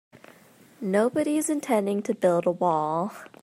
Nobody's intending to build a wall.